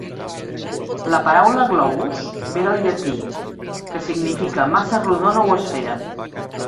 La paraula "globus" ve del llatí, que significa massa rodona o esfera.